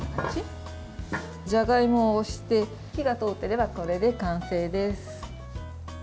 じゃがいもを押して火が通っていればこれで完成です。